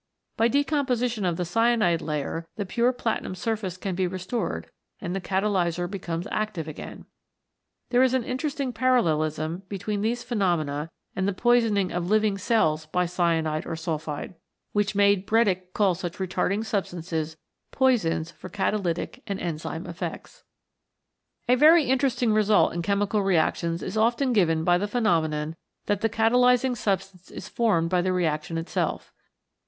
By decomposition of the cyanide layer the pure plati num surface can be restored and the catalyser becomes active again. There is an interesting parallelism between these phenomena and the poisoning of living cells by cyanide or sulphide, 89 CHEMICAL PHENOMENA IN LIFE which made Bredig call such retarding substances Poisons for catalytic and enzyme effects. A very interesting result in chemical reactions is often given by the phenomenon that the cata lysing substance is formed by the reaction itself.